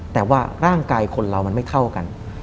แต่ว่าร่างกายคนเรามันไม่เท่ากัน